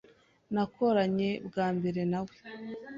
Nakoranye bwa mbere nawe.